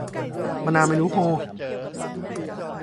มะนาวไม่รู้โห่